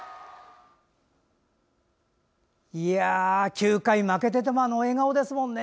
９回、負けててもあの笑顔ですもんね。